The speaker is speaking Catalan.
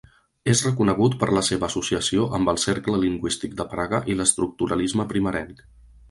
És reconegut per la seva associació amb el Cercle Lingüístic de Praga i l'estructuralisme primerenc.